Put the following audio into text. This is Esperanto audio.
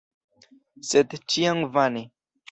Sed ĉiam vane.